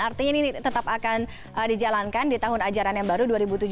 artinya ini tetap akan dijalankan di tahun ajaran yang baru dua ribu tujuh belas dua ribu delapan belas